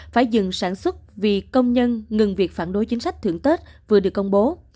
phải dừng sản xuất vì công nhân ngừng việc phản đối chính sách thưởng tết vừa được công bố